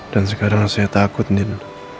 dan sekarang saya takut din